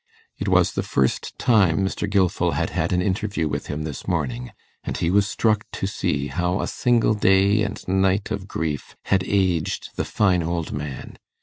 It was the first time Mr. Gilfil had had an interview with him this morning, and he was struck to see how a single day and night of grief had aged the fine old man.